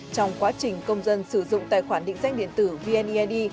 trong quá trình công dân sử dụng tài khoản định danh điện tử vneid